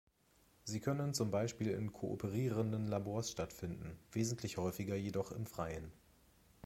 Sie können zum Beispiel in kooperierenden Labors stattfinden, wesentlich häufiger jedoch im Freien.